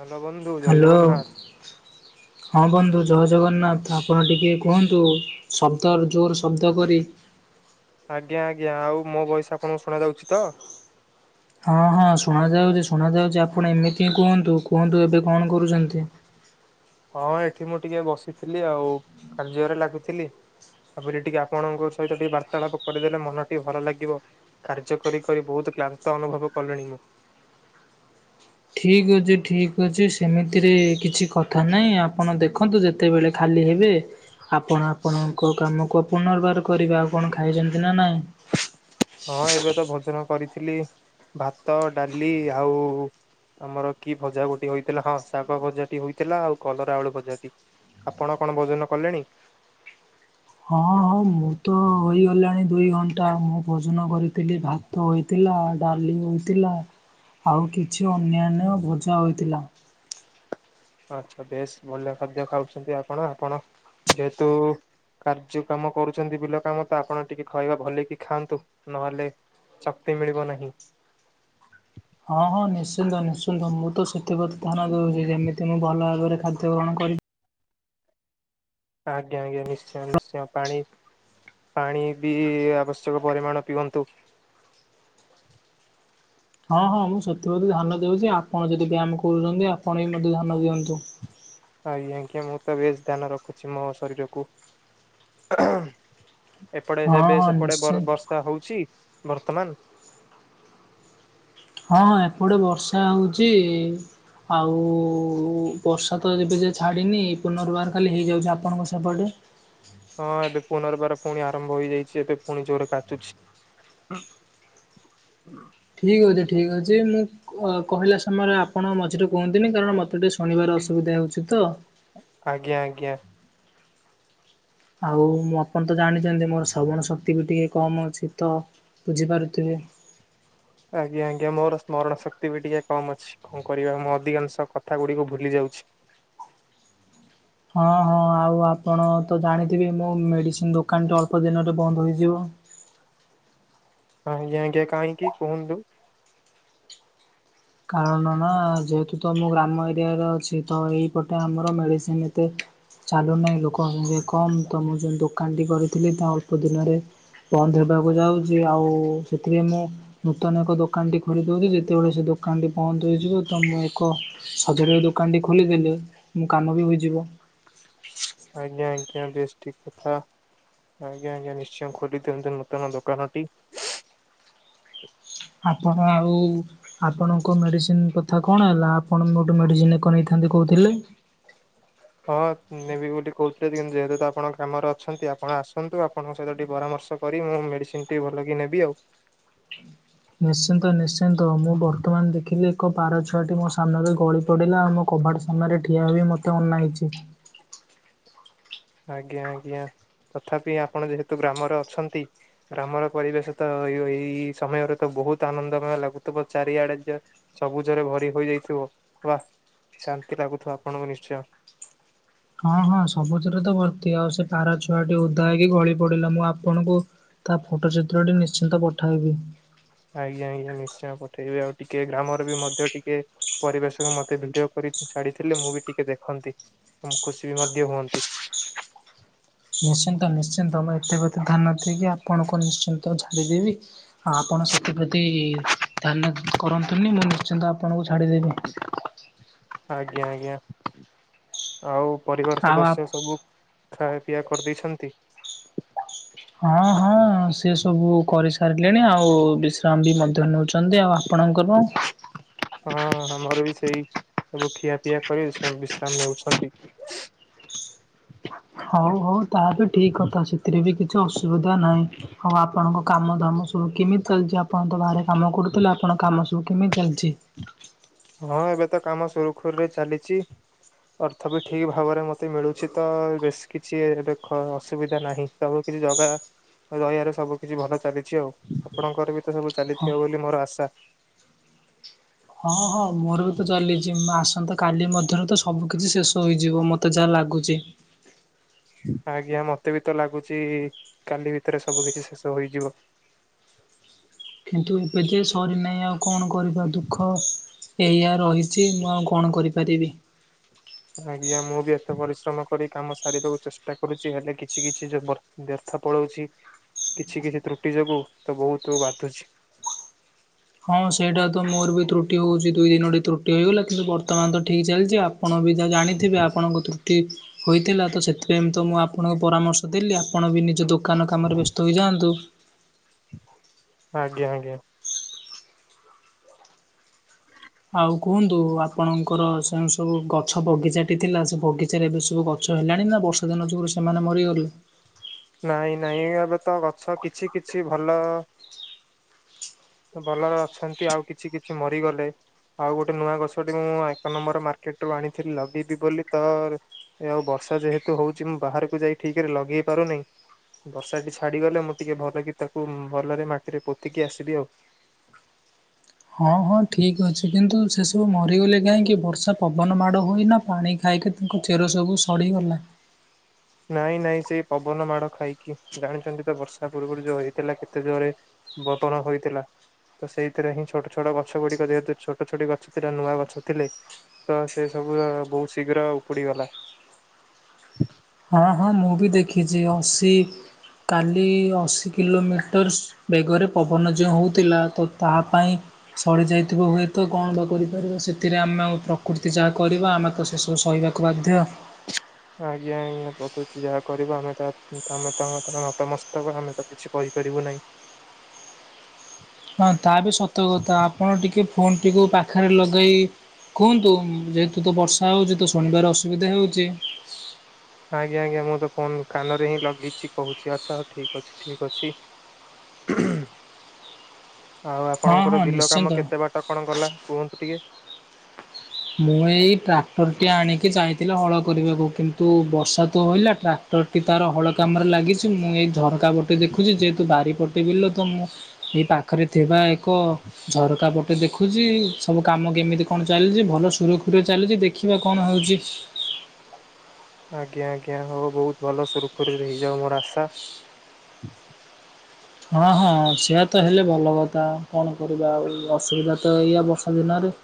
Hello ବନ୍ଧୁ ଜୟ hello Jagannath. ହଁ ବନ୍ଧୁ ଜୟ ଜଗନ୍ନାଥ ଆପଣ ଟିକିଏ କୁହନ୍ତୁ। ଶବ୍ଦର୍ ଜୋର୍ ଶବ୍ଦ କରି। ଆଜ୍ଞା ଆଜ୍ଞା ଆଉ ମୋ ବଏସ୍ ଆପଣଙ୍କୁ ଶୁଣା ଯାଉଛି ତ? ହଁ ହଁ ଶୁଣାଯାଉଛି ଶୁଣାଯାଉଛି ଆପଣ ଏମିତି ହିଁ କୁହନ୍ତୁ କୁହନ୍ତୁ ଏବେ କଣ କରୁଛନ୍ତି? ହଁଁ ଏଠି ମୁଁ ଟିକେ ବସିଥିଲି ଆଉ କାର୍ଯ୍ୟରେ ଲାଗୁଥିଲି। ତାପରେ ଟିକେ ଆପଣଙ୍କ ସହିତ ଟିକେ ବାର୍ତ୍ତାଳାପ କରିଦେଲେ ମନ ଟିକେ ଭଲ ଲାଗିବ। କାର୍ଯ୍ୟ କରି କରି ବହୁତ କ୍ଳାନ୍ତ ଅନୁଭବ କଲିଣି ମୁଁ। ଠିକ୍ ଅଛି ଠିକ୍ ଅଛି ସେମିତିରେ କିଛି କଥା ନାହିଁ ଆପଣ ଦେଖନ୍ତୁ ଯେ ତେବେଳେ ଖାଲି ହେବେ ଆପଣ ଆପଣଙ୍କ କାମକୁ ପୁନର୍ବାର କରିବେ। ଆଉ କଣ ଖାଇଛନ୍ତି ନା ନାଇଁ? ହଁ ଏବେ ତ ଭୋଜନ କରିଥିଲି ଭାତ ଡାଲି ଆଉ ଆମର କି ଭଜା ଗୋଟିଏ ହୋଇଥିଲା, ହଁ ଶାଗ ଭଜାଟି ହେଇଥିଲା ଆଉ କଲରା ଆଳୁ ଭଜାଟି। ଆପଣ କଣ ଭୋଜନ କଲେଣି? ହଁ ହଁ ମୁଁ ତ ହୋଇଗଲାଣି ଦୁଇ ଘଣ୍ଟା। ମୁଁ ଭୋଜନ କରିଥିଲି ଭା ତ ହୋଇଥିଲା ଡାଲି ହୋଇଥିଲା ଆଉ କିଛି ଅନ୍ୟାନ୍ୟ ଭଜା ହୋଇଥିଲା। ଆଚ୍ଛା ବେସ୍ ଭଲ ଖାଦ୍ୟ ଖାଉଛନ୍ତି ଆପଣ। ଆପଣ ଯେହେତୁ କାର୍ଯ୍ୟ କାମ କରୁଚନ୍ତି ବିଲ କାମ ତ, ଆପଣ ଟିକେ ଖଇବା ଭଲେଇକି ଖାଆନ୍ତୁ ନହେଲେ ଶକ୍ତି ମିଳିବ ନାହିଁ। ହଁ ହଁ ନିଶ୍ଚିନ୍ତ ନିଶ୍ଚିନ୍ତ, ମୁଁ ତ ସେଥିପ୍ରତି ଧ୍ୟାନ ଦଉଛି ଯେମିତି ମୁଁ ଭଲ ଭାବରେ ଖାଦ୍ୟ ଗ୍ରହଣ କରି ଆଜ୍ଞା ଆଜ୍ଞା ନିଶ୍ଚୟ ନିଶ୍ଚୟ ପାଣି ପାଣି ବି ଆବଶ୍ୟକ ପରିମାଣ ପିଅନ୍ତୁ। ହଁ ହଁ ମୁଁ ସେଥି ପ୍ରତି ଧ୍ୟାନ ଦେଉଛି। ଆପଣ ଯଦି ବ୍ୟାୟାମ କରୁଛନ୍ତି ଆପଣ ବିି ମଧ୍ୟ ଧ୍ୟାନ ଦିଅନ୍ତୁ। ଆଜ୍ଞା ଆଜ୍ଞା ମୁଁ ତ ବେସ୍ ଧ୍ୟାନ ରଖୁଛି ମୋ ଶରୀରକୁ। [unintelligible] ଏପଟେ ହଁ ସେବେ ହଁ ସେପଟେ ନିଶ୍ଚୟ ବର୍ ବର୍ଷା ହଉଛି ବର୍ତ୍ତମାନ? ହଁ ଏପଟେ ବର୍ଷା ହଉଚି। ଆଉ ବର୍ଷା ତ ଏବେ ଯାଏ ଛାଡ଼ିନି ପୁନର୍ବାର ଖାଲି ହେଇଯାଉଛି। ଆପଣଙ୍କ ସେପଟେ? ହଁ ଏବେ ପୁନର୍ବାର ପୁଣି ଆରମ୍ଭ ହେଇଯାଇଛି ଏବେ ପୁଣି ଜୋରେ କାଚୁଛି। [inaudible] ଠିକ୍ ଅଛି ଠିକ୍ ଅଛି ମୁଁ କ କହିଲା ସମୟରେ ଆପଣ ମଝିରେ କୁହନ୍ତିନି, କାରଣ ମୋତେ ଟିକେ ଶୁଣିବାର ଅସୁବିଧା ହେଉଛି ତ। ଆଜ୍ଞା ଆଜ୍ଞା। ଆଉ ମୁଁ ଆପଣ ତ ଜାଣିଛନ୍ତି ମୋର ଶ୍ରବଣ ଶକ୍ତି ବି ଟିକେ କମ୍ ଅଛି ତ। ବୁଝିପାରୁଥିବେ। ଆଜ୍ଞା ଆଜ୍ଞା ମୋର ସ୍ମରଣ ଶକ୍ତି ବି ଟିକେ କମ ଅଛି। କଣ କରିବା ମୁଁ ଅଧିକାଂଶ କଥା ଗୁଡିକୁ ଭୁଲି ଯାଉଛି। ହଁ ହଁ ଆଉ ଆପଣ ତ ଜାଣିଥିବେ, ମୋ ମେଡ଼ିସିନ ଦୋକାନଟି ଅଳ୍ପ ଦିନରେ ବନ୍ଦ ହୋଇଯିବ। ହଁ ଆଜ୍ଞା ଆଜ୍ଞା କାହିଁକି କୁହନ୍ତୁ। କାରଣ ନା ଯେହେତୁ ତମ ଗ୍ରାମ ଏରିଆରେ ଅଛି। ତ ଏଇପଟେ ଆମର ମେଡ଼ିସିନ ଏତେ ଚାଲୁନାହିଁ ଲୋକମାନେ କମ୍ ତ, ମୁଁ ଯେଉଁ ଦୋକାନଟି କରିଥିଲି ତା ଅଳ୍ପ ଦିନରେ ବନ୍ଦ ହେବାକୁ ଯାଉଛି ଆଉ ସେଥିରେ ମୁଁ ନୂତନ ଏକ ଦୋକାନ ଟି ଖୋଲିଦଉଛି, ଯେତେବେଳେ ସେ ଦୋ ଦୋକାନଟି ବନ୍ଦ ହୋଇଯିବ। ତ ମୁଁ ଏକ ସଯାଡ଼ିଆକୁ ଦୋକାନଟି ଖୋଲିଦେଲି ମୋ କାମ ବି ହୋଇଯିବ। ଆଜ୍ଞା ଆଜ୍ଞା ବେସ୍ ଠିକ କଥା। ଆଜ୍ଞା ଆଜ୍ଞା ନିଶ୍ଚୟ ଖୋଲିଦିଅନ୍ତ ନୂତନ ଦୋକାନ ଟି। ଆପଣ ଆଉ ଆପଣଙ୍କ ମେଡ଼ିସିନ କଥା କଣ ହେଲା। ଆପଣ ମୋ ଠୁଁ ମେଡ଼ିସିନ ଏକ ନେଇଥାନ୍ତେ କହୁଥିଲେ! ହଁ ନେବି ବୋଲି କହୁଥିଲି କିନ୍ତୁ ଯେହେତୁ ତ ଆପଣ କାମରେ ଅଛନ୍ତି ଆପଣ ଆସନ୍ତୁ ଆପଣଙ୍କ ସହିତ ଟିକେ ପରାମର୍ଶ କରି ମୁଁ ମେଡିସିନ ଟି ଭଲକି ନେବି ଆଉ। ନିଶ୍ଚିନ୍ତ ନିଶ୍ଚିନ୍ତ, ମୁଁ ବର୍ତ୍ତମାନ ଦେଖିଲି ଏକ ପାର ଛୁଆଟି ମୋ ସାମ୍ନାରେ ଗଳି ପଡ଼ିଲା। ଆଉ ମୋ କବାଟ ସାମ୍ନାରେ ଠିଆ ହୋଇ ମୋତେ ଅନାଇଛି। ଆଜ୍ଞା ଆଜ୍ଞା ତଥାପି ଆପଣ ଯେହେତୁ ଗ୍ରାମରେ ଅଛନ୍ତି ଗ୍ରାମର ପରିବେଶ ତ ଏ ଓ ଏଇ ସମୟରେ ତ ବହୁତ ଆନନ୍ଦମୟ ଲାଗୁଥିବ, ଚାରିଆଡେ ଯେ ସବୁଜରେ ଭରି ହୋଇଯାଇଥିବ ୱାଃ ଶାନ୍ତି ଲାଗୁଥିବ ଆପଣଙ୍କୁ ନିଶ୍ଚୟ। ହଁ ହଁ ସବୁଜରେ ତ ଭର୍ତ୍ତି, ଆଉ ସେ ପାରା ଛୁଆଟି ଓଦା ହେଇକି ଗଳି ପଡ଼ିଲା ମୁଁ ଆପଣଙ୍କୁ ତା ଫୋଟୋ ଚିତ୍ରଟି ନିଶ୍ଚିନ୍ତ ପଠାଇବି। ଆଜ୍ଞା ଆଜ୍ଞା ନିଶ୍ଚୟ ପଠେଇବେ, ଆଉ ଟିକେ ଗ୍ରାମରେ ବି ମଧ୍ୟ ଟିକେ ପରିବେଶକୁ ମତେ ଭିଡିଓ କରି ଛାଡିଥିଲେ, ମୁଁ ବି ଟିକେ ଦେଖନ୍ତି ମୁଁ ଖୁସି ବି ମଧ୍ୟ ହୁଅନ୍ତି। ନିଶ୍ଚିନ୍ତ ନିଶ୍ଚିନ୍ତ, ମୁଁ ଏଥିପ୍ରତି ଧ୍ୟାନ ଦେଇକି ଆପଣଙ୍କୁ ନିଶ୍ଚିନ୍ତ ଝାଡ଼ିଦେବି। ଆଉ ଆପଣ ସେଥିପ୍ରତି ଧ୍ୟାନ କରନ୍ତୁନି, ମୁଁ ନିଶ୍ଚିନ୍ତ ଆପଣଙ୍କୁ ଛାଡ଼ିଦେବି। ଆଜ୍ଞା ଆଜ୍ଞା ଆଉ ପରିବାର ଆଉ ଆପଣ ସଦସ୍ୟ ସବୁ ଖାଇବା ପିଇଆ କରିଦେଇଛନ୍ତି? ହଁ ହଁ ସେ ସବୁ କରିସାରିଲେଣି ଆଉ ବିଶ୍ରାମ ବି ମଧ୍ୟ ନେଉଛନ୍ତି ଆଉ ଆପଣଙ୍କର ହଁ ଆମର ବି ସେଇ ସବୁ ଖିଆପିଆ କରି ସବୁ ବିଶ୍ରାମ ନେଉଛନ୍ତି। ହଉ ହଉ ତା ବି ଠିକ କଥା ସେଥିରେ ବି କି କିଛି ଅସୁବିଧା ନାହିଁ ଆଉ ଆପଣଙ୍କ କାମ ଧାମ ସବୁ କେମିତି ଚାଲିଛି ଆପଣଙ୍କ ଗାଁ ରେ? କାମ କରୁଥିଲ ଆପଣ କାମ ସବୁ କେମିତି ଚାଲିଛି? ହଁ ଏବେ ତ କାମ ସୁରୁଖୁରୁରେ ଚାଲିଛି। ଅର୍ଥ ବି ଠିକ ଭାବରେ ମତେ ମିଳୁଛି ତ ବେଶି କିଛି ଏବେ ଖ ଅସୁବିଧା ନାହିଁ ସବୁ ସେ ଜଗା ଦୟାରେ ସବୁ କିଛି ଭଲ ଚାଲିଛି ଆଉ ଆପଣଙ୍କର ବି ତ ସବୁ ହଁ। ଚାଲିଥିବ ବୋଲି ମୋର ଆଶା। ହଁ ହଁ ମୋର ବି ତ ଚାଲିଛି ମୁଁ ଆସନ୍ତା କାଲି ମଧ୍ୟରୁ ତ ସବୁ କିିଛି ଶେଷ ହୋଇଯିବ ମତେ ଯାହା ଲାଗୁଛି। ଆଜ୍ଞା ମତେ ବି ତ ଲାଗୁଛି କାଲି ଭିତରେ ସବୁ କିଛି ଶେଷ ହେଇଯିବ। କିନ୍ତୁ ଏବେ ଯେ ସରିନାହିଁ ଆଉ କଣ କରିବା ଦୁଃଖ। ଏଇଆ ରହିଛି ମୁଁ ଆଉ କଣ କରିପାରିବି। ଆଜ୍ଞା ମୁଁ ବି ଏତେ ପରିଶ୍ରମ କରି କାମ ସାରିବାକୁ ଚେଷ୍ଟା କରୁଛି ହେଲେ କିଛି କିଛି ଯୋ ବ୍ୟର୍ଥ ପଳାଉଛି କିଛି କିଛି ତ୍ରୁଟି ଯୋଗୁ ତ ବହୁତ ବାଧୁଛି। ହଁ ସେଇଟା ତ ମୋର ବି ତ୍ରୁଟି ହେଉଛି ଦୁଇ ଦିନଟି ତ୍ରୁଟି ହୋଇଗଲା କିନ୍ତୁ ବର୍ତ୍ତମାନ ତ ଠିକ୍ ଚାଲିଛି ଆପ ଆପଣ ବି ତ ଜାଣିଥିବେ ଆପଣଙ୍କ ତୁ ଠିକ ହୋଇଥିଲା ତ ସେଥିପାଇଁ ତ ମୁଁ ଆପଣଙ୍କୁ ପରାମର୍ଶ ଦେଲି ଆପଣ ବି ନିଜ ଦୋକାନ ଦୋକାନ କାମରେ ବ୍ୟସ୍ତ ହୋଇଯାଆନ୍ତୁ। ଆଜ୍ଞା ଆଜ୍ଞା। ଆଉ କୁହନ୍ତୁ ଆପଣଙ୍କର ସେଉଁ ସବୁ ଗଛ ବଗିଚାଟି ଥିଲା ସେ ବଗିଚାରେ ଏବେ ସବୁ ଗଛ ଆଛ ହେଲାଣି ନା ବର୍ଷା ଦିନ ଯୋଗୁ ସେମାନେ ମରିଗଲେ? ନାଇଁ ନାଇଁ ଏବେ ତ ଗଛ କିଛି କିଛି ଭଲ ଭଲରେ ଅଛନ୍ତି ଆଉ କିଛି କିଛି ମରିଗଲେ। ଆଉ ଗୋଟେ ନୂଆ ଗଛଟି ମୁଁ ଏକ ନମ୍ବର ମାର୍କେଟ ରୁ ଆଣିଥିଲି ଲଗେଇବି ବୋଲି ତ ଏ ଆଉ ବର୍ଷା ଯେହେତୁ ହଉଛି ମୁଁ ବାହାରକୁ ଯାଇ ଠିକ ରେ ଲଗେଇ ପାରୁନାହିଁ। ବର୍ଷାଟି ଛାଡ଼ିଗଲେ ମୁଁ ଟିକିଏ ଭଲ କି ତାକୁ ଭଲରେ ମାଟିରେ ପୋତିକି ଆସିବି ଆଉ। ହଁ ହଁ ଠିକ୍ ଅଛି କିନ୍ତୁ ସେସବୁ ମରିଗଲେ କାହିଁକି ବର୍ଷା ପବନ ମାଡ଼ ହୋଇ ନା ପାଣି ଖାଇକି ତାଙ୍କ ଚେର ସବୁ ସଢ଼ିଗଲା। ନାଇଁ ନାଇଁ ସେଇ ପବନ ମାଡ଼ ଖାଇକି ଜାଣିଛନ୍ତି ତ ବର୍ଷା ପୂର୍ବରୁ ଯୋଉ ହେଇଥିଲା କେତେ ଜୋରେ [unintelligible] ତ ସେଇଥିରେ ହିଁ ଛୋଟ ଛୋଟ ଗଛ ଗୁଡିକ ଯେହେତୁ ଛୋଟ ଛୋଟ ଗଛ ଥିଲା ନୂଆ ଗଛ ଥିଲେ। ତ ସେ ସବୁ ବହୁତ ଶୀଘ୍ର ଉପୁଡିଗଲା। ହଁ ହଁ ମୁଁ ଭି ଦେଖିଛି ଅଶି କାଲି ଅଶୀ କିଲୋମିଟର୍ସ ବେଗରେ ପବନ ଯେଉଁ ହେଉଥିଲା ତ ତାହା ପାଇଁ ସରିଯାଇଥିବା ହୁଏତ କଣ ବା କରିପାରିବ ସେଥିରେ ଆମେ ପ୍ରକୃତି ଯାହା କରିବା ଆମେ ତ ସେସବୁ ସହିବା [inaudible] ଆଜ୍ଞା ଆଜ୍ଞା ପ୍ରକୃତି ଯାହା କରିବ ଆମେ ତା ଆଗରେ ନତ ମସ୍ତ ହେବ ଆମେ ତ କିଛି କରିପାରିବୁ ନାହିଁ। [inaudible] ହଁ ତା ବି ସତ କଥା ଆପଣ ଟିକେ ଫୋନ୍ ଟୀକୁ ପାଖରେ ଲଗାଇ କୁହନ୍ତୁ ଯେହେତୁ ତ ବର୍ଷା ହୋଉଛି ତ ଶୁଣିବାରେ ଅସୁବିଧା ହେଉଛି। ଆଜ୍ଞା ଆଜ୍ଞା ମୁଁ ତ ଫୋନ କାନ ରେ ହିଁ ଲଗେଇଛି କହୁଛି ଆଚ୍ଛା ହଉ ଠିକ ଅଛି ଠିକ୍ ଅଛି। [inaudible] ଆଉ ହଁ ହଁ ଆପଣଙ୍କର ବିଲ କାମ ନିଶ୍ଚିନ୍ତ କେତେ ବାଟ କଣ ଗଲା କୁହନ୍ତୁ ଟିକେ? ମୁଁ ଏଇ ଟ୍ରାକ୍ଟରଟି ଆଣିକି ଯାଇଥିଲି ହଳ କରିବାକୁ କିନ୍ତୁ ବର୍ଷା ତ ହେଲା ଟ୍ରାକ୍ଟର ତଟି ତାର ହଳ କାମରେ ଲାଗିଛି ମୁଁ ଏଇ ଝଟକା ପଟେ ଦେଖୁଛି ଯେହେତୁ ବାରି ପଟେ ବିଲ ତ ମୁଁ ଏଇ ପାଖରେ ଥିବା ଏକ ଝରକା ପଟେ ଦେଖୁଛି ସବୁ କାମ କେମିତି କଣ ଚାଲିଛି। ଭଲ ସୁରୁଖୁରୁରେ ଚାଲିଛି ଦେଖିବା କଣ ହେଉଛି। ଆଜ୍ଞା ଆଜ୍ଞା ହଉ ବହୁତ ଭଲ ସୁରୁଖୁରୁରେ ହେଇଯାଉ ମୋର ଆଶା। ହଁ ହଁ ସେଆ ତ ହେଲେ ଭଲ କଥା କଣ କରିବା ଆଉ ଅସୁବିଧା ତ ଏଇଆ ବର୍ଷା ଦିନରେ।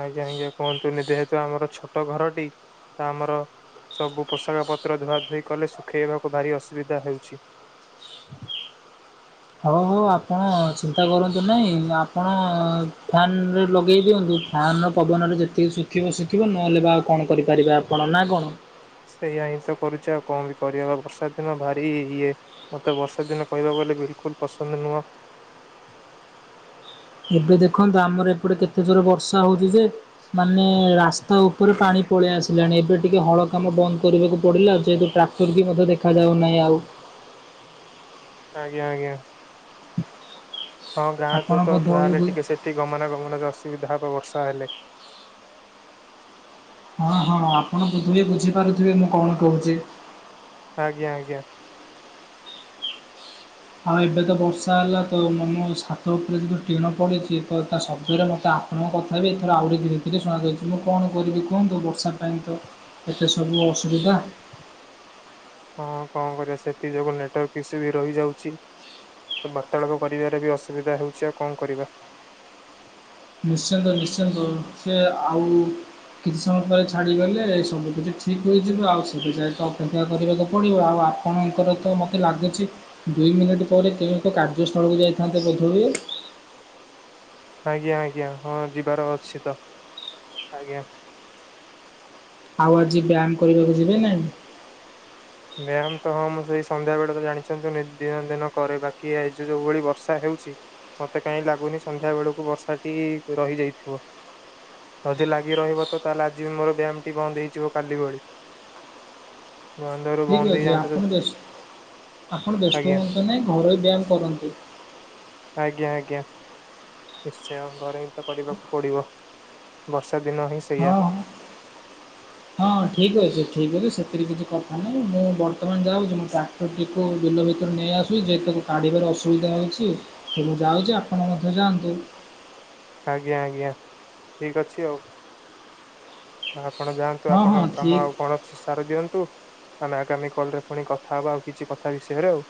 ଆଜ୍ଞା ଆଜ୍ଞା କୁହନ୍ତୁନି ଯେହେତୁ ଆମର ଛୋଟ ଘରଟି ତା ଆମର ସବୁ ପୋଷାକ ପତ୍ର ଧୁଆଧୁଇ କଲେ ଶୁଖେଇବାକୁ ଭାରି ଅସୁବିଧା ହେଉଛି। ହଁ ହଉ ଆପଣ ଚିନ୍ତା କରନ୍ତୁ ନାହିଁ ଆପଣ ଫ୍ୟାନ ରେ ଲଗାଇ ଦିଅନ୍ତୁ। ଫାନର ପବନରେ ଯେତିକି ଶୁଖିବ ଶୁଖିବ ନହେଲେ ବା ଆଉ କଣ କରିପାରିବେ ଆପଣ? ନା କଣ? ସେଇଆା ହିଁ ତ କରୁଛି ଆଉ କଣ ବି କରିବା ବର୍ଷା ଦିନ ଭାରି ଇଏ। ମତେ ବର୍ଷା ଦିନ କହିବ ବଲେ ବିଲକୁଲ ପସନ୍ଦ ନୁହଁ। ଏବେ ଦେଖନ୍ତୁ ଆମର ଏପଟେ କେତେ ଜୋର ବର୍ଷା ହଉଛି ଯେ ମାନେ ରାସ୍ତା ଉପରେ ପାଣି ପଳେଇ ଆସିଲାଣି। ଏବେ ଟିକେ ହଳ କାମ ବନ୍ଦ କରିବାକୁ ପଡ଼ିଲା ଯେହେତୁ ଟ୍ରାକ୍ଟର ବି ମଧ୍ୟ ଦେଖାଯାଉନାହିଁ ଆଉ। ଆଜ୍ଞା ଆଜ୍ଞା। ହଁ ଗାଁ ତ ଆପଣ ତ ବୋଧହୁଏ ଯାହେଲେ ଟିକେ ସେଠି ଗମନାଗମନରେ ଅସୁବିଧା ହବ ବର୍ଷା ହେଲେ। ହଁ ହଁ ଆପଣ ବୋଧ ହୁଏ ବୁଝିପାରୁଥିବେ ମୁଁ କଣ କହୁଛି? ଆଜ୍ଞା ଆଜ୍ଞା ଆଉ ଏବେ ତ ବର୍ଷା ହେଲା ତ ମୁଁ ମୋ ଛାତ ଉପରେ ଯଦି ଟିଣ ପଡ଼ିଛି ତ ତା ଶବ୍ଦରେ ମୋତେ ଆପଣଙ୍କ କଥା ବି ଏଥର ଆହୁରି ଧୀରେ ଧୀରେ ଶଣାଯାଉଛି ମୁଁ କଣ କରିବି କୁହନ୍ତୁ ବର୍ଷା ପାଇଁ ତ ଏତେ ସବୁ ଅସୁବିଧା। ହଁ କଣ କରିବା ସେଥି ଯୋଗୁ ନେଟୱାର୍କ ଇସ୍ୟୁ ବି ରହିଯାଉଛି। ବାର୍ତ୍ତାଳାପ କରିବାରେ ବି ଅସୁବିଧା ହଉଛି ଆଉ କଣ କରିବା। ନିଶ୍ଚିନ୍ତ ନିଶ୍ଚିନ୍ତ ସେ ଆଉ କିଛି ସମୟ ପରେ ଛାଡ଼ିଗଲେ ସବୁ କିିଛି ଠିକ ହୋଇଯିବ ଆଉ ସେଥି ଯାଏଁ ତ ଅପେକ୍ଷା କରିବାକୁ ପଡ଼ିବ ଆଉ ଆପଣଙ୍କର ତ ମୋତେ ଲାଗୁଛି ଦୁଇ ମିନିଟ୍ ପରେ କେଉଁ ଏକ କାର୍ଯ୍ୟସ୍ଥଳକୁ ଯାଇଥାନ୍ତେ ବୋଧହୁଏ? ଆଜ୍ଞା ଆଜ୍ଞା ହଁ ଯିବାର ଅଛି ତ ଆଜ୍ଞା। ଆଉ ଆଜି ବ୍ୟାୟାମ କରିବାକୁ ଯିବେ ନାହିଁ? ମ୍ୟାାମ ତ ହଁ ମୁଁ ସେଇ ସନ୍ଧ୍ୟା ବେଳେ ତ ଜାଣିଛନ୍ତିୁ [unintelligible] ଦିନ କରେ ବାକି ଏ ଯ ଯୋଉ ଭଳି ବର୍ଷା ହେଉଛି ମତେ କାହିଁ ଲାଗୁନି ସନ୍ଧ୍ୟା ବେଳକୁ ବର୍ଷାଟି ରହିଯାଇଥିବ। ଯଦି ଲାଗି ରହିବ ତ ତାହେଲେ ଆଜି ବି ମୋର ବ୍ୟାୟମ ଟି ବନ୍ଦ ହେଇଯିବ କାଲି ଭଳି। ହଁ। ଠିକ ଅଛି ଆପଣ ବ୍ୟସ୍ତ [unintelligible] ଆପଣ ବ୍ୟସ୍ତ ଆଜ୍ଞା ହୁଅନ୍ତୁ ନାହିଁ ଘରୋଇ ବ୍ୟାୟାମ କରନ୍ତୁ। ଆଜ୍ଞା ଆଜ୍ଞା। ନିଶ୍ଚୟ ଘରେ ହିଁ ତ କରିବାକୁ ପଡିବ। ବର୍ଷା ଦିନ ହିଁ ସେଇଆ ହଁ ହଁ ହଁ ଠିକ ଅଛି ଠିକ ଅଛି ସେଥିରେ କିଛି କଥା ନାହିଁ ମୁଁ ବର୍ତ୍ତମାନ ଯାଉଛି ମୁଁ ତ ଟିକୁ ବିଲ ଭିତରୁ ନେଇଆସୁଛି ଯେହେତୁ ତାକୁ କାଢ଼ିବାରେ ଅସୁବିଧା ହେଉଛି ତ ମୁଁ ଯାଉଛି ଆପଣ ମଧ୍ୟ ଯାଆନ୍ତୁ। ଆଜ୍ଞା ଆଜ୍ଞା ଠିକ ଅଛି ଆଉ। ଆପଣ ଯାଆନ୍ତୁ ହଁ ଆପଣ ହଁ କାମ ଠିକ୍ ଆଉ କଣ ସାରି ଦିଅନ୍ତୁ ଆମେ ଆଗାମୀ କଲରେ ପୁଣି କଥା ହବା ଆଉ କିଛି କଥା ବିଷୟରେ ଆଉ।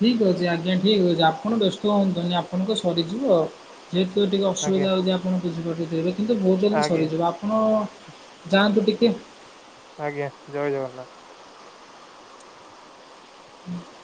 ଠିକ ଅଛି ଆଜ୍ଞା ଠିକ ଅଛି ଆପଣ ବ୍ୟସ୍ତ ହୁଅନ୍ତୁନି ଆପଣଙ୍କ ସରିଯିବ। ଯେହେତୁ ଟିକେ ଆଜ୍ଞା ଅସୁବିଧା ହେଉଛି ଆପଣ ବୁଝି ପାରୁଥିବେ କିନ୍ତୁ ବହୁତ ଜଲଦି ଆଜ୍ଞା। ସରିଯିବ। ଆପଣ ଯାଆନ୍ତୁ ଟିକେ ଆଜ୍ଞା ଜୟ ଜଗନ୍ନାଥ। [unintelligible]